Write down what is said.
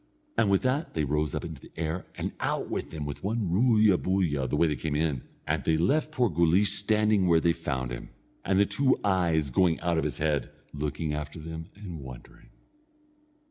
And with that they rose up into the air, and out with them with one roolya boolya the way they came; and they left poor Guleesh standing where they found him, and the two eyes going out of his head, looking after them and wondering.